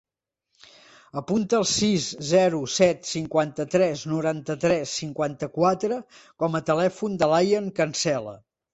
Apunta el sis, zero, set, cinquanta-tres, noranta-tres, cinquanta-quatre com a telèfon de l'Ian Cancela.